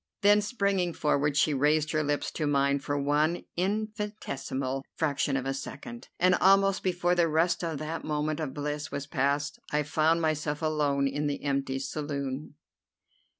Then, springing forward, she raised her lips to mine for one infinitesimal fraction of a second, and almost before the rest of that moment of bliss was passed I found myself alone in the empty saloon.